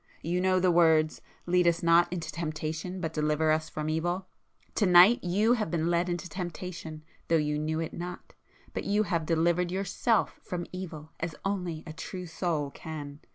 You know the words, 'Lead us not into temptation but deliver us from evil'? To night you have been led into temptation, though you knew it not, but you have delivered yourself from evil as only a true soul can.